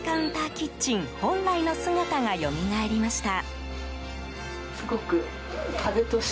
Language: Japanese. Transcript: キッチン本来の姿がよみがえりました。